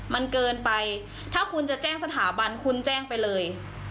มันเกินไปถ้าคุณจะแจ้งสถาบันคุณแจ้งไปเลย